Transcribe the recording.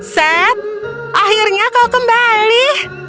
seth akhirnya kau kembali